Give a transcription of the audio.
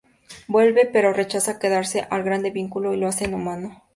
Vuelve pero rechaza quedarse al Grande Vínculo, y lo hacen humano.